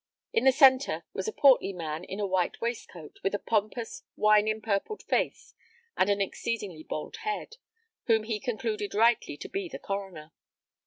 In the centre was a portly man in a white waistcoat, with a pompous, wine empurpled face, and an exceedingly bald head, whom he concluded rightly to be the coroner.